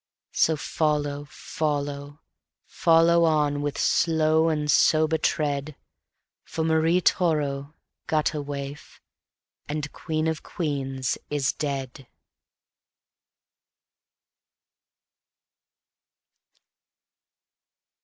So follow, follow, follow on with slow and sober tread, For Marie Toro, gutter waif and queen of queens, is dead.